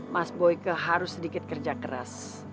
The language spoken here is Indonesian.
mas boike harus sedikit kerja keras